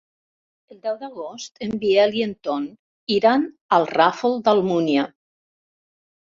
El deu d'agost en Biel i en Ton iran al Ràfol d'Almúnia.